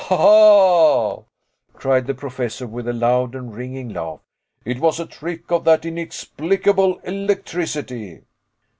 "Ah!" cried the Professor, with a loud and ringing laugh, "it was a trick of that inexplicable electricity."